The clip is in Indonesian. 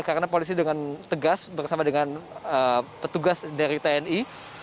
karena polisi dengan tegas bersama dengan petugas dari tni